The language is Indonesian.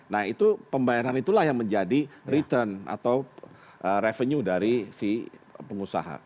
nah itu pembayaran itulah yang menjadi return atau revenue dari si pengusaha